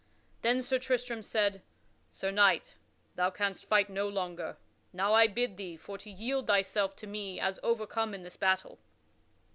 Then Sir Tristram said: "Sir Knight, thou canst fight no longer. Now I bid thee for to yield thyself to me as overcome in this battle."